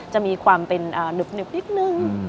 จะมีความเป็นหนึบนิดนึง